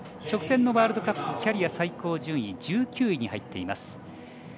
直前のワールドカップキャリア最高順位１９位に入っています。